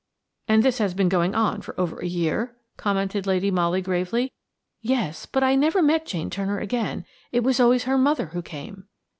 "And this has been going on for over a year," commented Lady Molly gravely. "Yes, but I never met Jane Turner again: it was always her mother who came."